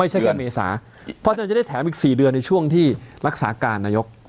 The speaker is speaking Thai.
แค่เมษาเพราะฉะนั้นจะได้แถมอีก๔เดือนในช่วงที่รักษาการนายก